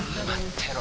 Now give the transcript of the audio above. てろ